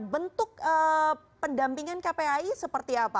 bentuk pendampingan kpai seperti apa